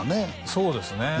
そうですね